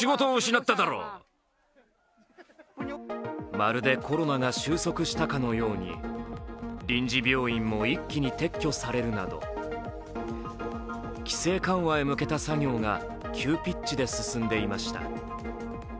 まるで、コロナが収束したかのように臨時病院も一気に撤去されるなど規制緩和へ向けた作業が急ピッチで進んでいました。